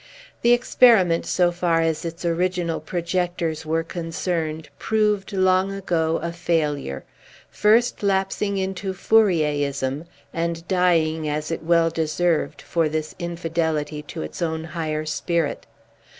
The experiment, so far as its original projectors were concerned, proved, long ago, a failure; first lapsing into Fourierism, and dying, as it well deserved, for this infidelity to its own higher spirit.